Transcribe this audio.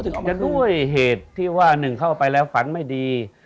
จะด้วยเหตุที่ว่าหนึ่งเข้าไปแล้วฝันไม่ดี